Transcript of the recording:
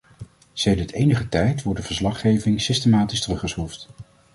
Sedert enige tijd wordt de verslaggeving systematisch teruggeschroefd.